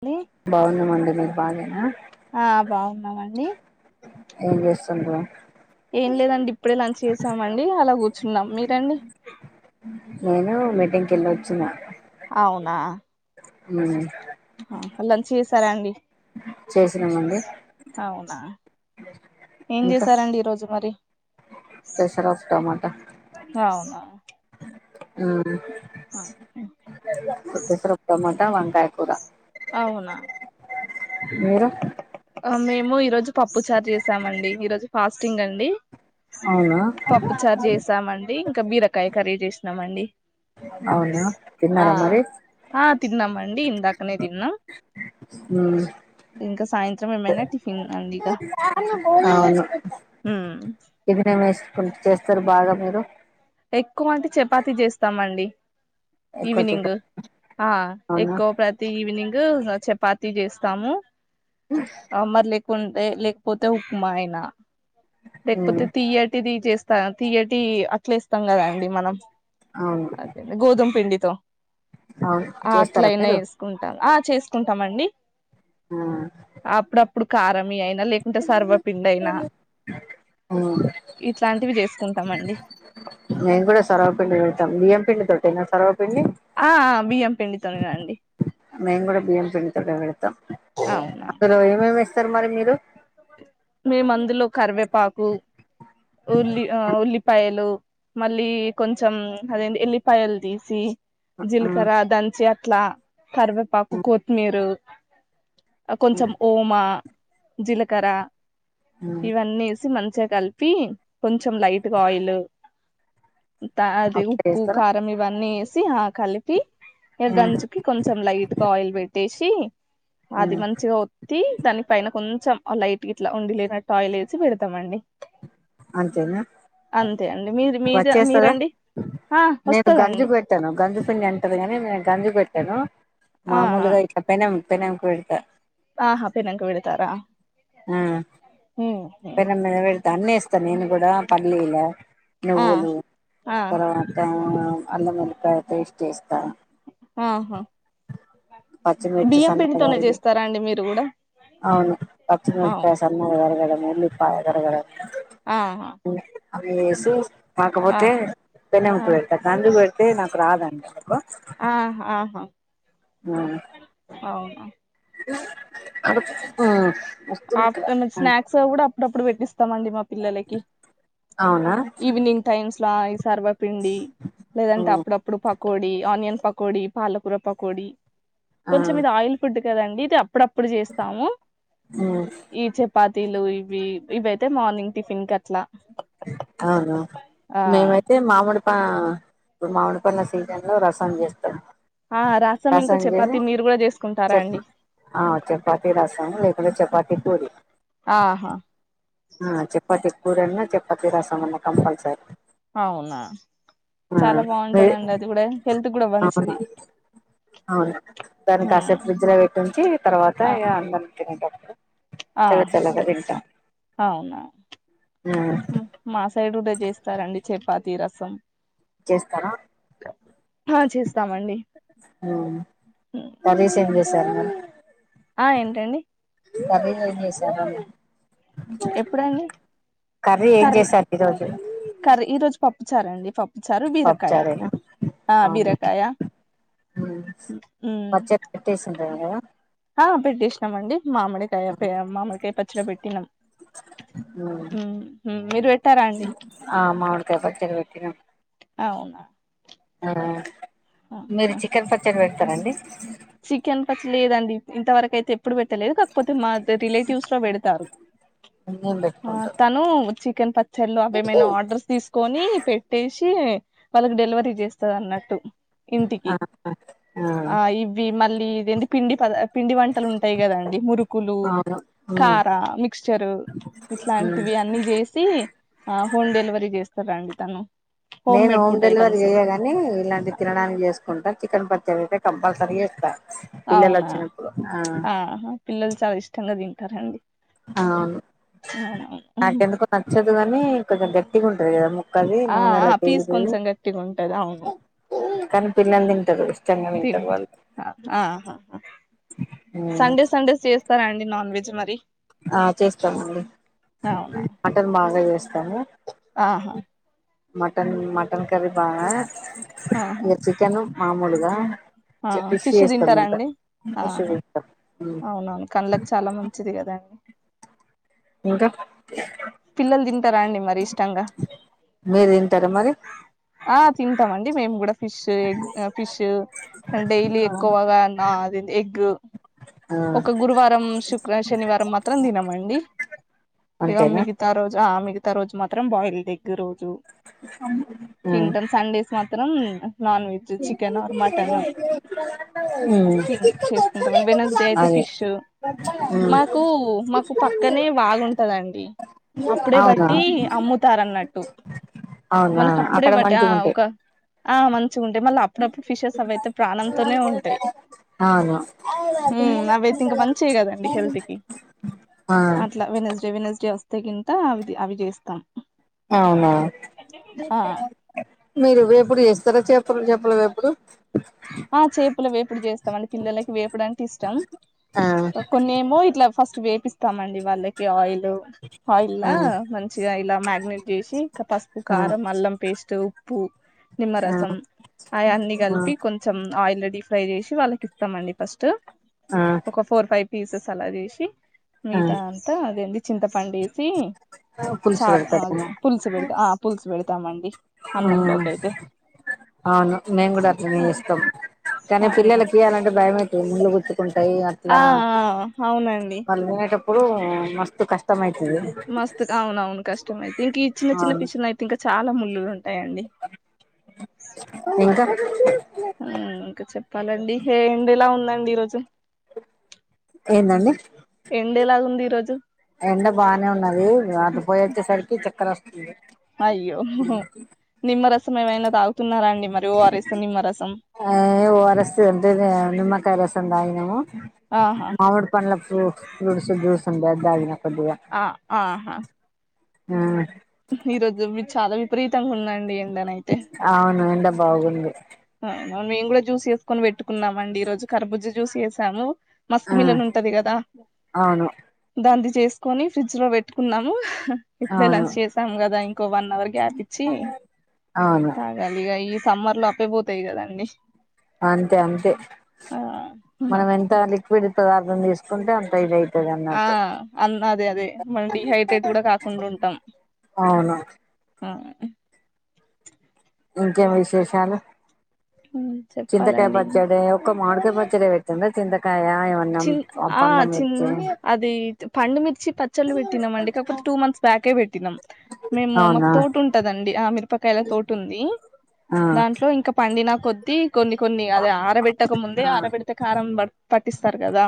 అండి బాగునం అండి మీరు బాగాేనా ఆ బాగున్నామండి ఏం చేస్త ఓహో ఏం లేదండి ఇప్పుడే లంచ్ చేసామండి అలా కూర్చ కూర్చున్నాం మీరండి నేను మీటింగ్కి వెళ్ళి వచ్చిన అవునా ఉమ్ ఆ లంచ్ చెస్ సరే అండి చేసినామండి అవునా ఏం చేసారంండి ఈరోజు మరి ప్రసపప్పు టమాటా అవునా ఉమ్ ఆ, పెసర ఉప్మా మా త వంకాయ కూర అవునా మీరు ఓహో మేము ఈ రోజు పప్పు చార్ చేసామండి ఈ రోజు ఫాస్టింగ్ అండి అవునా పప్పు చారు చేసామండి ఇంకా బీరకాయి కర్రీ చేసినం అండి అవునా ఆ తిన్నారా మరి ఆ తిన్నాం అండి ఇందాకనే తిన్నాం మ్మ్ ఇంకా సాయంత్రం ఏమైనా టిఫిన్ అండి ఇక అవును మ్మ్ టిఫిన్ ఏం వేసుకుని చేస్తారు బాగా మీరు ఎక్కువ అంటే చపాతి చేస్తామం అండి ఎక్కువ చెప్ప ఈవినింగ్ ఆ అవునా ఎకువ ప్రతి ఈవినింగ్ [inaudible] చెపాతి చేస్ తాము ఆ మర్లే కుంటే లేకపోతే ఉప్మా అయినా మ్మ్ లేకపోతే తీయ టి తీ చేస్ తీయేటి అట్లేస్తాం కదాండి మనం అవును అదేం గోధుమ పిండితో అవును ఆ చేస్తారా అట్లయినా మీరు వేసుకుంటాం ఆ చేసుకుంటామండి మ్మ్ అప్పుడుప్పుడు కారం మీ అయినా లేకుంట సర్వ పిండ్ అయినా ఆ ఇట్లాంటివి చేసుకుంటామండి మేము కూడా సర్వ పిండి పెడతాం బియ్యం పిండి తో సేనా సర్వ పిండి ఆ బియ్యం పిండితోనేగండి మేం కూడా బయ్యం పిండి తో టే పెడుతాం అవునా అక్క రోయ మే స్ స మరి మీరూ మేము అందులో కరివె ప్ పాకు ఉల్లి ఆ ఉల్లిపాయలు మళ్ళీ కొంచం అదే అండి ఎల్లిపాయల్ తీసి జీల్కర దంచి యా ట్లా కరివేపాకు కొత్తిమీరు కొంచెం ఓమా జిలకర ఇవన్నీ ఏసి మంత్ చ్చ కల్పి కొంచెం లైట్ గా ఆయిలు అంత అదే అట్లే ఉప్పు వేస్తారా ఖారం ఇవన్నీస్ సి హా కలిపి ఇ గంజుకి కొంచెం లైట్ గా ఆయిల్ పెట్టేస్ టి అది మంచిగా వొత్తి దనిక్ కొంచెం ఆ లైటు గిట్లా ఉండి లేనట్టాయిలేసి పెడతామండి అంతేనా అంతే అండి మీరు మీద వచ్చేస్తదా మీరండి ఆ నేను వస్తదండి గంజుకు వెట్టాను గంజు పిండి అంటది గని నేను గంజు పెట్టాను. ఆ ఆ! మామూలుగా ఇట్లా పెనం పెనాంకు వెడ్తా ఆహా పెనం కు పెడతారా ఆ హ్మ్. హ్మ్. పెనం మీద పెడ్తా అన్నేస్ చ నేను గుడా పల్లిల ఆ నువ్వులు ఆ తర్వాత అల్లం వెళ్ళిపాయ పేస్ట్ చేస్తా ఆహా పచ్చిమిర్చి బియ్యం సన్నగ పిండితోనే తరిగి చేస్తారా అండి మీరు కూడా అవును అవును పచ్చిమిరపకాయ్ సన్నగ తరగడము ఉల్లిపాయ దరగడం ఆహ ఏసేస్ కాకపోతే పెన్నె ఆ ముతి పెడ్తా కందుకు పెడితే నాకు రాదండి ఎందుకో ఆహా ఆహా మ్మ్ అవునా ఇ [inaudible] మ్మ్ వస్తుందిట్ల ఆఫ్టర్నూన్ అ స్నాక్స్ కూడా అప్పుడప్పుడు పెట్టిస్తామండి మప్ పిల్లలకి అవునా ఈవినింగ్ టైమ్స్ స్లాయిస్ సర్వపిండి లేదంటే అప్పుడప్పుడు పక్ కోడి ఆనియన్ పకోడి పాలకూర పకోడి ఆ కొంచం ఇది ఆయిల్ ఫుడ్డు కదండి ఇదప్పుడప్పుడ్ సమో ఈ చపాతిలు ఈ ఇవి ఇవియితే మార్నింగ్ టిఫిన్ కట్లా అవునా మేమైతే మామిడి ఆ ఇప్పుడు మామిడి పండ్ల సీజన్ లో రసం చేస్తడు ఆ ఇంకా రసం చేసి చపాతి మీరు కూడా చేసుకుంటారా చెప్ అండి చపాతి రసం లేకుంటే చపాతి పూరి ఆహా ఆ చప్పతి కూరన్నా చప్పతి రసం అన్నా కంపల్సరీ అవునా ఆ చాలా వే బాగుంటదండి అది కూడా హెల్త్ కూడా అవును మంచిది అవును దానికి ఆ కాసేపు ఫ్రిడ్జ్ లో పెట్టించి తర్వాత ఆ ఇగ [inaudible] ఆ చల్ల చల్లగ తింట అవునా మా సైడ్ కూడా చేస్తారండి చె పాతి రసం చేస్తారా హా చేస్తామండి హుమ్ నరేష్ ఏం చెస్ శర్మత్ ఆ ఏంటండి కర్రీ ఏం చేసారండి ఎప్పుడండి కర్రీ ఏం చేసారు ఈరోజు సరేండి పప్ చారు బీరకాయా పప్పుచారేనా ఆ అవును బీరకాయ హుమ్ అ ఆ పెట్టేసినమండి మామిడికాయ మామిడికాయ పచ్చడి పెట్టినాం ఉమ్ మీరు పెట్టారా అండి ఆ మామిడికాయ పచ్చడి పెట్టినాం అవునా ఆ మీరు చికెన్ పచ్చడి పెట్ రండి చికెన్ పచ్చలీ ఇదన్ ఇంత వరక్ అయితే ఎప్పుడు పెట్టలేదు కాకపోతే మా రిలేటివ్స్ లో పెడతారు నేను ఆ పెట్టుకుంటా తను చి ప చల్లు అవేమైనా ఆర్డర్స్ తీసుకొని పెట్టేసి వాళ్ళకు డెలివరీ చేస్తదన్నట్టు ఇంటికి ఆ ఆ ఇ మళ్ళీ ఇద ఏంది పిండి పద పిండి వంటలు ఉంటాయి కదండి మురుకులు అవును ఉమ్ కార మిక్స్చర్ ఉమ్ ఇట్లాంటివి అన్ని చేసి ఆ హోమ్ డెలివరీ చేస్త రండితను నేను హోమ్ డెలివరీ చేయగాని ఇలాంటి తినడానికి చేసుకుంటా చికెన్ పచ్చడి కంపల్సరి ఇస్తా అవునా ఆ పిల్లలు చాలా ఇష్టంగా దీనికి టారండి అవును నాకు ఎందుకో నచ్చదు కా మే కొద్దిగా గట్టిగా ఉంటది కదా ఉక్కది ఆ నూనె ఆ పీస్ కొంచెం గట్టిగా ఉంటది అవును [unintelligible] కానీ పిల్లంది తింటారు ఇష్టంగా తింటారు తింట వాళ్ళు ఆహా స్తారా అండి నాన్ వెజ్ మరి ఆ చేస్తానండి అవునా మటన్ బాగా చేస్త చేస్తాము ఆహా మటన్ మటన్ కర్రీ బాగా ఆహా ఇగ చికెన్ మామూలుగా ఆ ఫిష్ చేస్తాం ఇంకా తింటారాండి ఫిష్ ఆహా చేస్తాం అవునవును కళ్డ్ళకి చాలా మంచిది కదాండి ఇంకా పిల్లలు తింటారా అండి మరి ఇష్టంగా మీరు తింటారా మరి ఆ తింటాం మేము కూడా ఫిష్ ఎగ్ ఫిష్ డైలీ ఎక్కువగా నా ఆది ఏంది ఎగ్ ఆ ఒక గురువారం శుక్ర శనివారం మాత్రం తినమండి ఇక అంతేనా మిగతా రోజు ఆ మిగితా రోజు మాత్రం బాయిల్డ్ ఎగ్ తింటాం సండేస్ మ మాత్రం non veg chicken or mutton తిన్ చేసుకుంటాం వెనస్డే మ్ అయితే ఫిష్ మాకు మాకు పక్కనే వాగుంటదండి అప్పుడే అవునా బట్టి అమ్ముతారు అన్నట్టు అవునా మనకు అప్పుడే అక్కడ బట్టి ఆ మంచిగుంటాయి ఒక ఆ మన ఉంటాయి మళ్ళీ అప్పుడప్పుడు ఫిషెస్ అవయితే ప్రాణంతోనే ఉంటాయి అవును అవైయితే ఇంకా మంచివి కదండి హెల్త్ కి ఆ అట్లా వెనస్డే వెడ్నెస్డే చేస్తే కింత అవి అవి చేస్తాం అవునా ఆ మీరు వేప్పడు చేస్తారా చేపలు చెపలుపుడు ఆ చేపల వేపుడు చేస్తామండి పిల్లలకి వేపుడు అంటే ఇష్టం కొన్నేమో ఇట్లా ఫస్ట్ వేపిస్తామండి వాళ్ళకి ఆయిల్ ఆయిల్ ల ఆ మంచిగా ఇలా మాగ్నేట్ చేసి ఇంకా పసుపు ఆ కారం అల్లం పేస్ట్ ఉప్పు ఆ నిమ్మరసం ఆయన్ని కలిపి కొంచెం ఆయిల్ ఫ్రై చేసి వాళ్ళకి ఇస్తామండి ఫస్ట్ ఆ ఆ ఒక ఫోర్ ఫైవ్ పీసెస్ అలా చేసి ఆ మిగితా అంత అదెంటి చింత వండేసి పులుసు చార్ పెడతారేమో పుల్సు బెడతం ఆ పుల్సు పెడతామండి అన్నంలోకి అయితే ఆ అవును మేము కూడా అట్లనే ఆ ఇస్తాం కానీ అవునా పిల్లలకి అలాంటి భయమైతే ఎమ్ ఉండకూడదు ఆ అవునండి ఇప్పుడు మస్తు కష్టం అయితది మస్తు అవున అవును కష్టమైతే ఇంక చిన్న చిన్న అవును పిషన్ అయితే ఇంకా చాలా ము లూ ఉంటాయి అండి ఇంకా ఇంకా చెప్పాలండి ఎండ ఇలా ఉందండి ఈరోజు ఏందండి ఎండేలాగు ఉంది ఈరోజు ఎండ బాగానే ఉన్నది అటు పోయిచ్చేసరికి చక్కర వస్తుంది అయ్యో నిమ్మ రసం ఏమైనా తాగుతున్నారాండి మ ఆ ఓ ఆర్ ఎస్ ఉందిగా నిమకాయలు రసం దాగినవ ఆహా మామిడి పండ్ల ఫ్రూట్ ఫ్రూట్స్ జ్యూస్ ఉండే అది తాగిన కొద్దిగా ఆ ఉమ్ ఈరోజు మీరు చాల విపరీత మత్తంగా ఉందండి ఎండనైతే అవును ఎండ బాగుంది వు మేము కూడా జ్యూస్ వేసుకొని పెట్టుకున్నామ అండి ఈ రోజు కరబుజ్ జ్యూస్ చేసాము మస్క్ ఉమ్ మిలన్ ఉంటది కదా అవును దాన్నీ చేసుకొని ఫ్రిడ్జ్ లో పెట్టుకున్నాము ఇప్పుడే అవును లంచ్ చేసాం కదా ఇంకో వన్ అవర్ గ్యాప్ ఇచ్చి అవును తాగాలి ఇగ సమ్మర్ లో అప్పేపోతే అంతే కదండి అంతే అంతే ఆ మనం ఎంత లీక్ లిక్విడ్ పదార్థం తీసుకుంటే అంత ఇై ఆ అ అదే అదే మనం డడిహైడ్రేట్ కూడా కాకుండా ఉంటాం అవును ఆ ఇంకేం విశేషాలు చింతకాయ చెప్పాలండి పచ్చడి ఒక మాడికాయ పచ్చడి పెట్టిండు చింతకాయ కాయా చిన్ ఆ చిన్ అది పండుమిర్చి పచ్చళ్ళు పెట్టినాం అండి కాకపోతే టూ మంత్స్ బ్యాకే పెట్టినాం మేము మాకు అవునా తోటు ఉంటదండి ఆ మీరు మీరాపకాయలా తోట ఉంది ఆ దాంట్లో ఇంకా పండి నా కొద్ది కొన్ని కొన్ని అదే ఆరబెట్టక ముందే ఆ ఆరబెడితే కారం పట్టిస్త తర్ కదా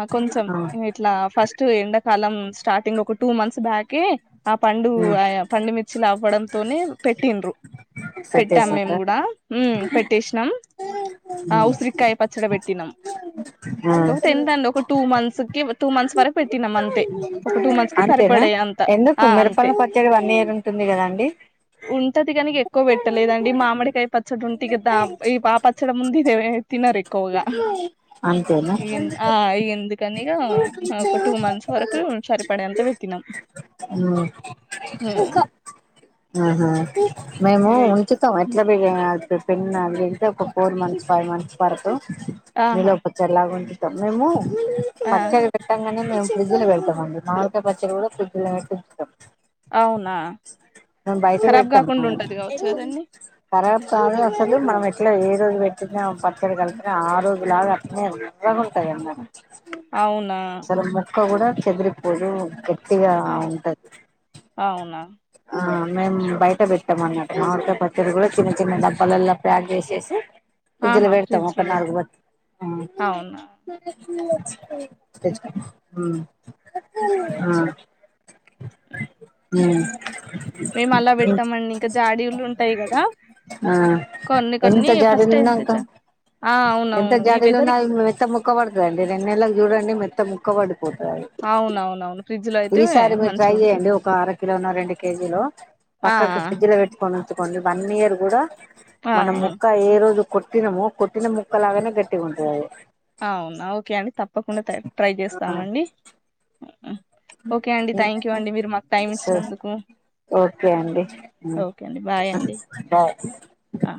ఆ కొంచం ఆ ఇట్లా ఫస్ట్ ఎండాకాలం స్టార్టింగ్ లో ఒక టూ మంత్స్ బ్యాక్ గే ఆ పండూ ఉమ్ అయ్-యా పండుమిర్చి ఆవ్వడంతోనే పెట్టిన్రు పెట్టాం మేము పెట్టేసిండ్రా కూడా మ్ పెట్టేసినాం ఆ ఉసిరికాయ పచ్చడ పెట్ దినం ఆ ఒకతే ఎంతండి ఒక టూ మంత్స్ కి టూ మంత్స్ వరక్ పెట్టినం అంతే ఒక టూ మంత్స్ కి అంతేనా సరిపడే అంత ఎందుకు ఆ మిరపల అంతే వచ్చడి వన్ ఇయర్ ఉంటుంది కదాండి ఉంటది కాని ఎక్కువ పెట్టలేదండి మామిడికాయ పచ్చడి ఉంటంది కదా ఈ ఆ పచ్చడి ముంది ఇవే తి [unintelligible] అంతేనా హ ఆ ఇగ ఎందుకని ఇగ ఒక టూ మంత్స్ వరకు సరిపడేంత పెట్టినాం హ్మ్ ఆహా మేము ఇగ ఇప్ ఉంచుతాం ఎట్లా బి ఆ పే-పెన్న తే ఒక ఫోర్ మంత్స్ ఫైవ్ మంత్స్ వార్ ఆహా నిలువ పచ్చడిలాగుంటుంది తం మేము ఆ పచ్చడి పెట్టంగానే మేము ఫ్రిడ్జ్ లో పెడతాం మామిడికాయ్ పచ్చడి కూడా ఫ్రిడ్జలో పెట్టి ఉంచుతాం అవునా మేము బయట కరాబ్ కాకుండా ఉంటది కావచ్చు కదండీ కరాబ్ కాదు అసలు మనం ఎట్లా ఏ రోజు పెట్టినా పచ్చడి కలి ఆరోజు లాగా అట్లనే నిజంగ సరే అమ్మ అవునా సరేమ్మ ముక్క కూడా చెదిరిపోదూ పతిగా ఆ [unintelligible] ఉంటది అవునా ఆ మేము బయట పెట్టాం అన్నట్టు మామిడికాయ పచ్చడి కూడా చిన్న చిన్న డబ్బాల్లలా ప్యాక్ చేసేసి ఇజ్జులో ఆహా పెడతం ఫ్రిడ్జ్ ఒక లో నాలుగు పెడతాం బత్ అవునా ఫ్రిజ్ లొ మ్ ఆ హ్మ్ మేము అలా పెట్టామండి ఇంకా జాడీలు ఉంటాయి కదా ఆ కొన్ని కొన్ని ఎంత ఫస్ట్ జాడీలున్నాకా ఎంతచ్చ ఆ ఎంత అవునవును ఈ జాడీలు ఉన్నా వెదర్కి మెత్త ముక్క పడతాది అండి రెండు నెలకి చూడండి మెత్త ముక్క ఒకవడు అవునవునవును ఫ్రిడ్జ్ లో అయితే ఈసారి మీరు ట్రై మంచిగా ఉంటాయి చేయండి ఒక అర కిలో న రెండు కిలో కేజీలో లో ఆ పక్కకు ఫ్రిడ్జ్ లో పెట్టుకోనా ఇ [unintelligible] వన్ ఇయర్ కూడా ఆ మన ఆ! ముక్క ఏ రోజు కొటినము కొట్టిన ముక్కలగానే గట్టిగా ఉంటుందిది అవునా ఓకే అండి తప్పకుండా ట్రై చేస్తాం అండి థ్యాంక్ యూ అండి మీరు మాకు టైం సే ఇచ్చినందుకు ఓకే అండి ఓకే అండి బాయ్ అండి బాయ్ ఆ